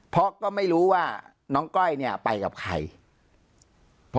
เพราะก็ไม่รู้ว่าน้องก้อยเนี่ยไปกับใคร